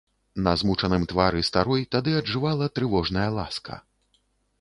На змучаным твары старой тады аджывала трывожная ласка.